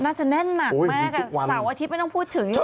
น่าจะแน่นหนักมากอ่ะเสาร์อาทิตย์ไม่ต้องพูดถึงเลย